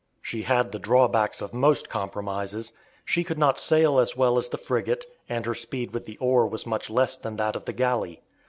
She had the drawbacks of most compromises. She could not sail as well as the frigate, and her speed with the oar was much less than that of the galley.